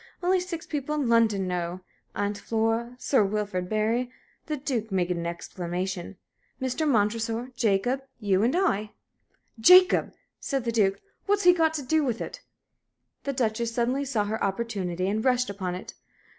Only six people in London know Aunt Flora, Sir Wilfrid Bury" the Duke made an exclamation "Mr. Montresor, Jacob, you, and I." "Jacob!" said the Duke. "What's he got to do with it?" The Duchess suddenly saw her opportunity, and rushed upon it.